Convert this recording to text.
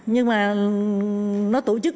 nhưng mà nó tổ chức